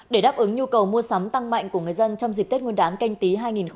để đáp ứng nhu cầu mua sắm tăng mạnh của người dân trong dịp tết nguyên đán canh tí hai nghìn hai mươi